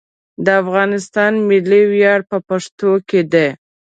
د افغانستان ملي ویاړ په پښتنو کې دی.